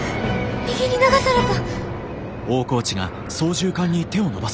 右に流された！